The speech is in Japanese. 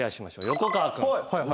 横川君。